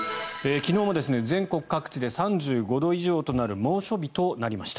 昨日も全国各地で３５度以上となる猛暑日となりました。